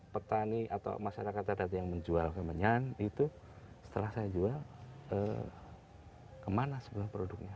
petani atau masyarakat adat yang menjual kemenyan itu setelah saya jual kemana sebenarnya produknya